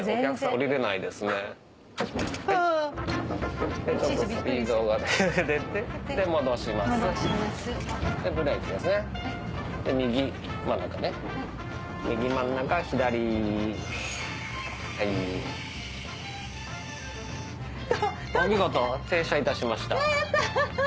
お見事停車いたしました。